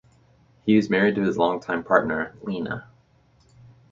He is married to his longtime partner Lina.